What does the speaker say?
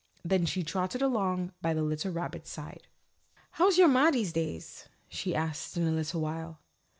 Then she trotted along by the little rabbit's side. "How's your Ma these days?" she asked in a little while.